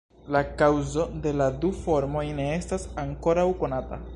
La kaŭzo de la du formoj ne estas ankoraŭ konata.